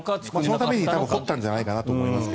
そのために掘ったんじゃないかと思いますが。